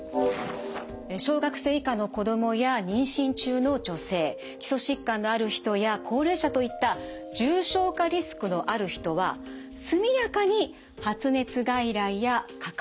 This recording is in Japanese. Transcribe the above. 小学生以下の子どもや妊娠中の女性基礎疾患のある人や高齢者といった重症化リスクのある人は速やかに発熱外来やかかりつけ医を受診します。